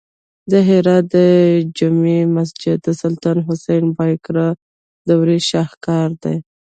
د هرات د جمعې مسجد د سلطان حسین بایقرا دورې شاهکار دی